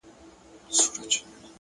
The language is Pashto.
اخلاص د نیک عمل ارزښت ساتي!